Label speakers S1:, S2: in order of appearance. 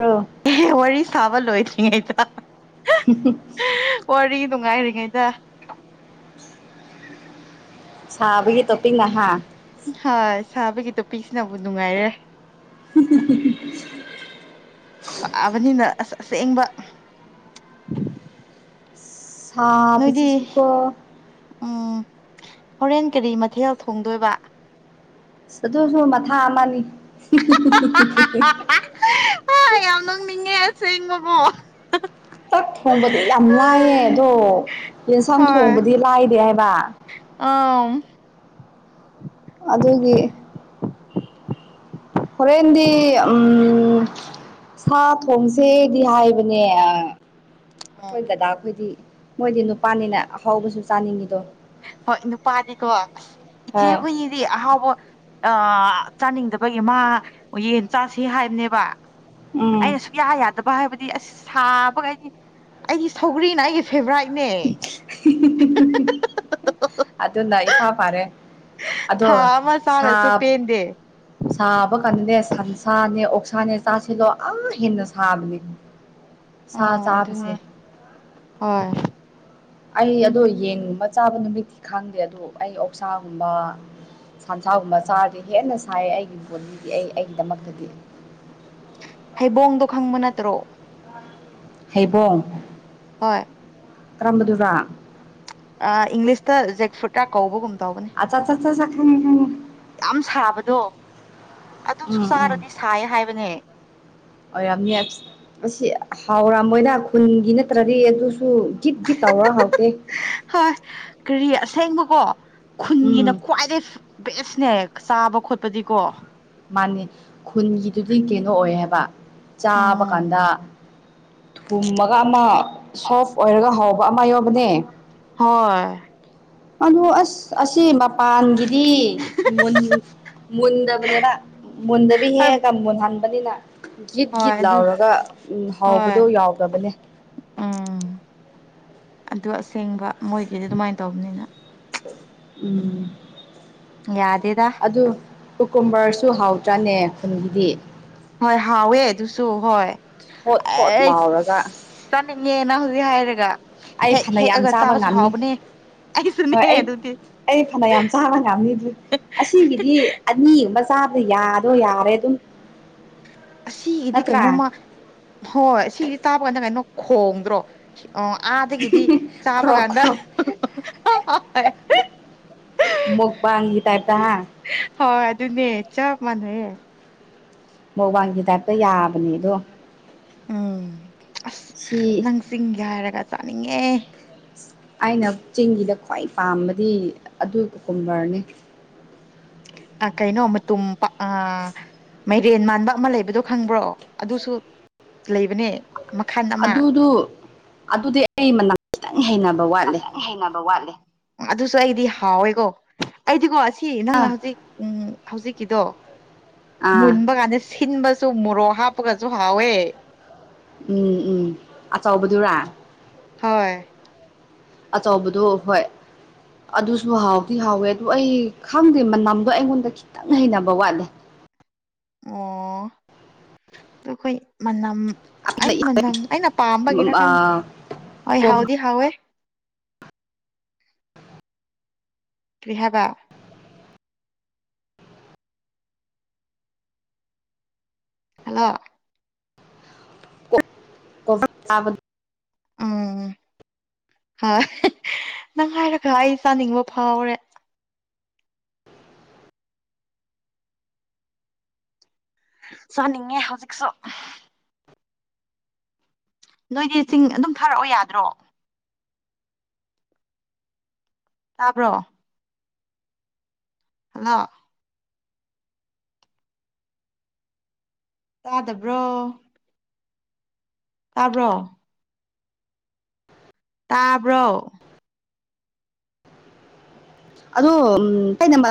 S1: ꯑꯣ
S2: ꯑꯦ ꯋꯥꯔꯤ ꯁꯥꯕ ꯂꯣꯏꯗ꯭ꯔꯤꯉꯩꯗ ꯋꯥꯔꯤ
S1: [unintelligible]
S2: ꯅꯨꯡꯉꯥꯏꯔꯤꯉꯩꯗ
S1: ꯁꯥꯕꯒꯤ ꯇꯣꯞꯄꯤ ꯅꯍꯥ
S2: ꯍꯣꯏ ꯁꯥꯕꯒꯤꯗꯣ ꯄꯤꯤꯁꯕꯨ ꯅꯨꯡꯉꯥꯏꯔꯦ ꯆꯥꯕꯅꯤꯅ ꯑꯁ ꯑꯁꯦꯡꯕ ꯅꯣꯏꯗꯤ
S1: ꯁꯥꯕꯁꯤꯁꯨꯀꯣ
S2: ꯎꯝ ꯍꯣꯔꯦꯟ ꯀꯔꯤ ꯃꯊꯦꯜ ꯊꯣꯡꯗꯣꯏꯕ
S1: ꯑꯗꯨ ꯑꯗꯨꯁꯨ ꯃꯊꯥ ꯑꯃꯅꯤ
S2: ꯑ ꯌꯥꯝ ꯅꯣꯛꯅꯤꯡꯉꯦ ꯑꯁꯦꯡꯕꯀꯣ
S1: ꯄꯛ ꯊꯣꯡꯕꯗꯤ ꯌꯥꯝ ꯂꯥꯏꯌꯦ ꯑꯗꯣ ꯌꯦꯟꯁꯥꯡ
S2: ꯍꯣꯏ
S1: ꯊꯣꯡꯕꯗꯤ ꯂꯥꯏꯗꯦ ꯍꯥꯏꯕ
S2: ꯑ
S1: ꯑꯗꯨꯒꯤ ꯍꯣꯔꯦꯟꯗꯤ ꯎꯝ ꯁꯥ ꯊꯣꯡꯁꯦꯗꯤ ꯍꯥꯏꯕꯅꯦ ꯑ ꯑꯩꯈꯣꯏ
S2: ꯑꯣ
S1: ꯗꯗꯥ ꯈꯣꯏꯗꯤ ꯃꯣꯏꯗꯤ ꯅꯨꯄꯥꯅꯤꯅ ꯑꯍꯥꯎꯕꯁꯨ ꯆꯥꯅꯤꯡꯉꯤꯗꯣ
S2: ꯍꯣꯏ ꯅꯨꯄꯥꯗꯤꯀꯣ ꯑꯁ ꯏꯆꯦ
S1: ꯍꯣꯏ
S2: ꯍꯨꯏꯗꯤ ꯑꯍꯥꯎꯕ ꯑ ꯆꯥꯅꯤꯡꯗꯕꯒꯤ ꯃꯥ ꯌꯦꯟ ꯆꯥꯁꯤ ꯍꯥꯏꯕꯅꯦꯕ
S1: ꯎꯝ
S2: ꯑꯩꯅ ꯁꯨꯛꯌꯥ ꯌꯥ ꯗꯕ ꯍꯥꯏꯕꯗꯤ ꯑꯁ ꯁꯥꯕꯒ ꯑꯩꯗꯤ ꯑꯩꯒꯤ ꯁꯧꯒ꯭ꯔꯤꯅ ꯑꯩꯒꯤ ꯐꯦꯚꯣꯔꯥꯏꯠꯅꯦ
S1: ꯍꯤ ꯍꯤ ꯍꯤ ꯍꯤ ꯑꯗꯨꯅ ꯏꯐꯥ ꯐꯔꯦ ꯑꯗꯣ
S2: ꯊꯥ ꯑꯃ
S1: ꯁꯥ
S2: ꯆꯥꯔꯁꯨ ꯄꯦꯟꯗꯦ
S1: ꯁꯥꯕꯀꯥꯟꯅ ꯅꯦ ꯁꯟꯁꯥꯅꯦ ꯑꯣꯛꯁꯥꯅꯦ ꯆꯥꯁꯤꯜꯂꯣ ꯑꯥ ꯍꯦꯟꯅ ꯁꯥꯕꯅꯦ ꯁꯥ
S2: ꯎꯝ ꯑꯗꯨꯅꯦ
S1: ꯆꯥꯕꯁꯦ
S2: ꯍꯣꯏ
S1: ꯑꯩ ꯑꯗꯣ ꯌꯦꯟꯒꯨꯝꯕ ꯆꯥꯕ ꯅꯨꯃꯤꯠꯇꯤ ꯈꯪꯗꯦ ꯑꯗꯣ ꯑꯩ ꯑꯣꯛꯁꯥꯒꯨꯝꯕ ꯁꯟꯁꯥꯒꯨꯝꯕ ꯆꯥꯔꯗꯤ ꯍꯦꯟꯅ ꯁꯥꯏ ꯑꯩꯒꯤ ꯕꯣꯗꯤꯗꯤ ꯑꯩ ꯑꯩꯒꯤꯗꯃꯛꯇꯗꯤ
S2: ꯍꯩꯕꯣꯡꯗꯣ ꯈꯪꯕ ꯅꯠꯇ꯭ꯔꯣ
S1: ꯍꯩꯕꯣꯡ
S2: ꯍꯣꯏ
S1: ꯀꯔꯝꯕꯗꯨꯔꯥ
S2: ꯑ ꯏꯪꯂꯤꯁꯇ ꯖꯦꯛꯐ꯭ꯔꯨꯠ ꯀ ꯀꯧꯕꯒꯨꯝ ꯇꯧꯕꯅꯦ
S1: ꯑ ꯆ ꯆ ꯆ ꯆ ꯆꯥ ꯈꯪ
S2: ꯌꯥꯝ ꯁꯥꯕꯗꯣ ꯑꯗꯨꯁꯨ
S1: ꯎꯝ
S2: ꯆꯥꯔꯗꯤ ꯁꯥꯏ ꯍꯥꯏꯕꯅꯦ
S1: ꯑꯣꯏꯔꯝꯅꯤꯌꯦꯠ [unintelligible] ꯑꯁꯤ ꯍꯥꯎꯔꯝꯃꯣꯏꯗ ꯈꯨꯟꯒꯤ ꯅꯠꯇ꯭ꯔꯗꯤ ꯑꯗꯨ ꯁꯨ ꯒꯤꯠ ꯒꯤꯠ ꯇꯧꯔ ꯍꯥꯎꯇꯦ
S2: ꯀꯣ ꯈꯨꯟꯒꯤꯅ
S1: ꯎꯝ
S2: ꯈ꯭ꯋꯥꯏꯗꯩ ꯕꯦꯁꯅꯦ ꯆꯥꯕ ꯈꯣꯠꯄꯗꯤꯀꯣ
S1: ꯃꯥꯟꯅꯤ ꯈꯨꯟꯒꯤꯗꯨꯗꯤ ꯀꯩꯅꯣ ꯑꯣꯏ ꯍꯥꯏꯕ ꯆꯥꯕ
S2: ꯎꯝ
S1: ꯀꯥꯟꯗ ꯊꯨꯝꯃꯒ ꯑꯃ ꯁꯣꯐ ꯑꯣꯏꯔꯒ ꯍꯥꯎꯕ ꯑꯃ ꯌꯥꯎꯕꯅꯦ
S2: ꯍꯣꯏ
S1: ꯑꯗꯨ ꯑꯁ ꯑꯁꯤ ꯃꯄꯥꯟꯒꯤ ꯗꯤ ꯃꯨꯟ ꯃꯨꯟꯗꯕꯅꯦꯕ ꯃꯨꯟꯗꯕꯤ ꯍꯦꯛꯑꯒ ꯃꯨꯟꯍꯟ ꯕꯅꯤꯅꯥ ꯒꯤꯠ
S2: ꯍꯣꯏ
S1: ꯒꯤꯠ
S2: ꯑꯗꯨꯒꯤ
S1: ꯂꯥꯎꯔꯒ ꯎꯝ
S2: ꯍꯣꯏ
S1: ꯍꯥꯎꯕꯗꯣ ꯌꯥꯎꯗꯕꯅꯦ
S2: ꯎꯝ ꯑꯗꯨ ꯑꯁꯦꯡꯕ ꯃꯣꯏꯒꯤꯗꯤ ꯑꯗꯨꯃꯥꯏ ꯇꯧꯕꯅꯤꯅ
S1: ꯎꯝ
S2: ꯌꯥꯗꯦꯗ
S1: ꯑꯗꯨ ꯀꯨꯀꯨꯝꯕꯔꯁꯨ ꯍꯥꯎꯇ꯭ꯔꯥꯅꯦ ꯈꯨꯟꯒꯤꯗꯤ
S2: ꯍꯣꯏ ꯍꯥꯎꯋꯦ ꯑꯗꯨꯁꯨ ꯍꯣꯏ
S1: ꯊꯣꯠ ꯊꯣꯠ ꯂꯥꯎꯔꯒ
S2: ꯉꯦ ꯅꯪ ꯍꯨꯖꯤꯛ ꯍꯥꯏꯔꯒ
S1: ꯑꯩ
S2: ꯍꯦꯛ
S1: ꯐꯅ ꯌꯥꯝ
S2: ꯍꯦꯛꯑꯒ
S1: ꯆꯥꯕ
S2: ꯆꯥꯕꯁꯨ
S1: ꯉꯝꯅꯤ
S2: ꯍꯥꯎꯕꯅꯦ ꯑꯩꯁꯨꯅꯦ
S1: ꯍꯣꯏ ꯑꯩ
S2: ꯑꯗꯨꯗꯤ
S1: ꯑꯩ ꯐꯅ ꯌꯥꯝ ꯆꯥꯕ ꯉꯝꯅꯤ ꯑꯗꯨ ꯑꯁꯤꯒꯤꯗꯤ ꯑꯅꯤꯒꯨꯝꯕ ꯆꯥꯕꯗ ꯌꯥꯗꯣ ꯌꯥꯔꯦ ꯑꯗꯨꯝ
S2: ꯑꯁꯤꯒꯤꯗꯤ
S1: ꯅꯠꯇ꯭ꯔꯥ
S2: ꯀꯩꯅꯣꯃ ꯍꯣꯏ ꯑꯁꯤꯒꯤꯗꯤ ꯆꯥꯕ ꯀꯥꯟꯗ ꯀꯩꯅꯣ ꯈꯣꯡꯗ꯭ꯔꯣ ꯑꯣ ꯑꯥꯗꯒꯤꯗꯤ ꯆꯥꯕ
S1: ꯈ꯭ꯔꯣ
S2: ꯀꯥꯟꯗ
S1: ꯈ꯭ꯔꯣ
S2: [unintelligible]
S1: ꯃꯨꯛꯕꯥꯡꯒꯤ ꯇꯥꯏꯞꯇ ꯍꯥ
S2: ꯍꯨꯝ
S1: ꯃꯨꯛꯕꯥꯡꯒꯤ ꯇꯥꯏꯞꯇ ꯌꯥꯕꯅꯦ ꯑꯗꯣ
S2: ꯎꯝ ꯑꯁ
S1: ꯁꯤ
S2: ꯅꯪ ꯆꯤꯡꯒꯤ ꯍꯥꯏꯔꯒ ꯆꯥꯅꯤꯡꯉꯦ
S1: ꯑꯩꯅ ꯆꯤꯡꯒꯤꯗ ꯈ꯭ꯋꯥꯏ ꯄꯥꯝꯕꯗꯤ ꯑꯗꯨ ꯀꯨꯀꯨꯝꯕꯔꯅꯦ
S2: ꯑ ꯀꯩꯅꯣꯝꯃ ꯇꯨꯝꯄꯥ ꯑ ꯃꯩꯔꯦꯟ ꯃꯥꯟꯕ ꯑꯃ ꯂꯩꯕꯗꯣ ꯈꯪꯕ꯭ꯔꯣ ꯑꯗꯨꯁꯨ ꯂꯩꯕꯅꯦ ꯃꯈꯜ ꯑꯃ
S1: ꯑꯗꯨꯗꯨ ꯑꯗꯨꯗꯤ ꯑꯩ ꯃꯅꯝ ꯈꯤꯇꯪ ꯍꯩꯅ
S2: ꯑꯇꯪ ꯍꯩꯅꯕ ꯋꯥꯠꯂꯦ ꯑꯗꯨꯁꯨ ꯑꯩꯗꯤ ꯍꯥꯎꯋꯦꯀꯣ ꯑꯩꯗꯤꯀꯣ ꯁꯤ ꯅꯪꯅ ꯍꯧꯖꯤꯛ ꯎꯝ ꯍꯧꯖꯤꯛꯀꯤꯗꯣ
S1: ꯑꯥ
S2: ꯃꯨꯟꯕ ꯀꯥꯟꯗ ꯁꯤꯟꯕ ꯁꯨ ꯃꯣꯔꯣꯛ ꯍꯥꯞꯄꯒꯁꯨ ꯍꯥꯎꯋꯦ
S1: ꯎꯝ ꯎꯝ ꯑꯆꯥꯎꯕꯗꯨꯔꯥ
S2: ꯍꯣꯏ
S1: ꯑꯆꯕꯗꯣ ꯍꯣꯏ ꯑꯗꯨꯁꯨ ꯍꯥꯎꯗꯤ ꯍꯥꯎꯋꯦ ꯑꯗꯨ ꯑꯩ ꯈꯪꯗꯦ ꯃꯅꯝꯗꯣ ꯑꯩꯉꯣꯟꯗ ꯈꯤꯇꯪ ꯍꯩꯅꯕ ꯋꯥꯠꯂꯦ [inaudible]
S2: ꯑꯣ ꯑꯣ ꯑꯩꯈꯣꯏ ꯃꯅꯝ ꯑꯩ ꯃꯅꯝ ꯑꯩꯅ ꯄꯥꯝꯕꯒꯤꯔ ꯈꯪꯗꯦ ꯑꯩ ꯍꯥꯎꯗꯤ ꯍꯥꯎꯋꯦ ꯔꯤꯍꯕꯕꯥ ꯍꯜꯂꯣ
S1: ꯐꯕ
S2: ꯎꯝ ꯍꯣꯏ ꯅꯪꯉꯥꯏꯔꯒ ꯑꯩ ꯆꯥꯅꯤꯡꯕ ꯐꯥꯎꯔꯦ ꯆꯅꯤꯡꯉꯦ ꯍꯧꯖꯤꯛꯁꯨ ꯅꯣꯏꯗꯤ ꯆꯤꯡ ꯑꯗꯨꯝ ꯊꯥꯔꯛꯑꯣ ꯌꯥꯗ꯭ꯔꯣ ꯇꯥꯕ꯭ꯔꯣ ꯍꯜꯂꯣ ꯇꯥꯗꯕ꯭ꯔꯣ ꯇꯥꯕ꯭ꯔꯣ ꯇꯥꯕ꯭ꯔꯣ
S1: ꯑꯗ ꯎꯝ ꯀꯩꯅ ꯅꯝꯕꯔ